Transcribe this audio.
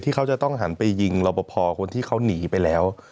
ที่เขาจะต้องหันไปยิงรอปภคนที่เขาหนีไปแล้ว